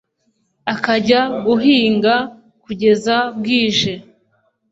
akajya guhinga kugeza bwije